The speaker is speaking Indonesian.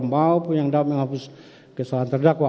maupun yang dapat menghapus perbuatan terdakwa